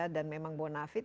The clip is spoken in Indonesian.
dan memang bonafit